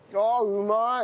うまい！